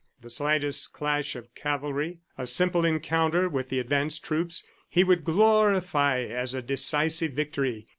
The slightest clash of cavalry, a simple encounter with the advance troops, he would glorify as a decisive victory.